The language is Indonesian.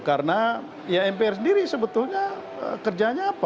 karena ya mpr sendiri sebetulnya kerjanya apa